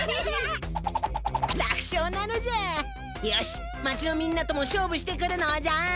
よし町のみんなとも勝負してくるのじゃ。